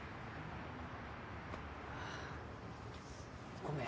ごめん